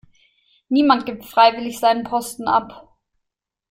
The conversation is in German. Niemand gibt freiwillig seinen Posten ab.